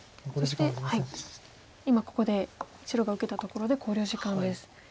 そして今ここで白が受けたところで考慮時間です。